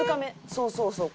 そうそうそう。